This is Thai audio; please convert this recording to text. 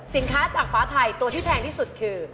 จากฟ้าไทยตัวที่แพงที่สุดคือ